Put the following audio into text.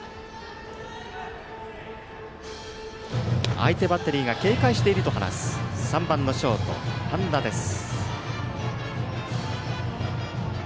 相手バッテリーが警戒していると話す３番のショート半田です。